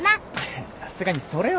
さすがにそれはねえわ。